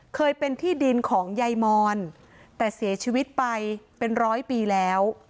เคยเป็นที่ดินของยายมอนแต่เสียชีวิตไปเป็นร้อยปีแล้ว